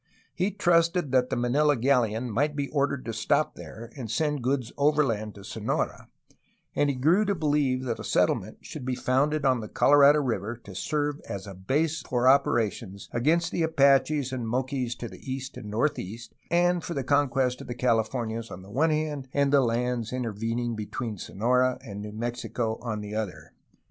He trusted that the Manila galleon might be ordered to stop there and send goods overland to Sonora; and he grew to believe that a set tlement should be founded on the Colorado River to serve as a base for operations against the Apaches and Moquis to the east and northeast and for the conquest of the Califomias on the one hand and the lands intervening between Sonora and New Mexico on the other.